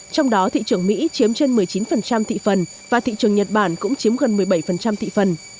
trong đó thị trường mỹ chiếm trên một mươi chín thị phần và thị trường nhật bản cũng chiếm gần một mươi bảy thị phần